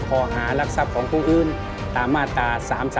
ข้อหารักทรัพย์ของผู้อื่นตามมาตรา๓๓